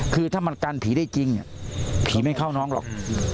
คือถ้ามันกันผีได้จริงผีไม่เข้าน้องหรอก